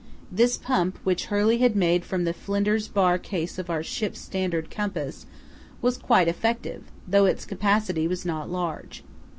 This pump, which Hurley had made from the Flinder's bar case of our ship's standard compass, was quite effective, though its capacity was not large.